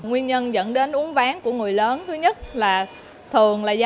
nguyên nhân dẫn đến uống ván của người lớn thứ nhất là thường là do